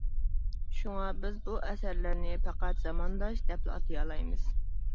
شۇڭا، بىز بۇ ئەسەرلەرنى پەقەت زامانداش دەپلا ئاتىيالايمىز.